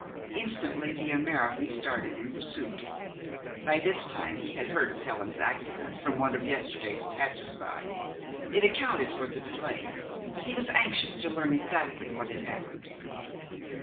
Instantly the American started in pursuit. By this time he had heard of Helen's accident from one of yesterday's passers by. It accounted for the delay; but he was anxious to learn exactly what had happened.